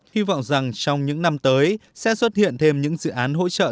hy vọng rằng trong những năm tới sẽ xuất hiện thêm những dự án hỗ trợ